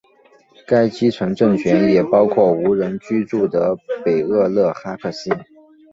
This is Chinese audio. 该基层政权也包括无人居住的北厄勒哈克斯。